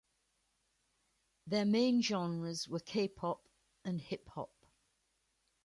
Their main genres were K-pop and hip-hop.